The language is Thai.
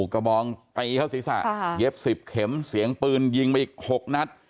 กบองตายของศีรษะเย็บสิบเข็มเสียงปืนยิงไปอีกหกนัด